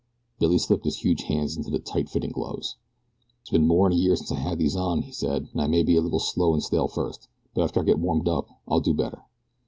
Billy slipped his huge hands into the tight fitting gloves. "It's been more'n a year since I had these on," he said, "an' I may be a little slow an' stale at first; but after I get warmed up I'll do better."